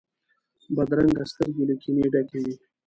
بدرنګه سترګې له کینې ډکې وي